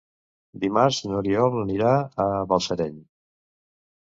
Dimarts n'Oriol irà a Balsareny.